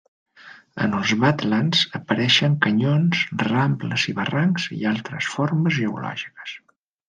En els badlands apareixen canyons, rambles i barrancs i altres formes geològiques.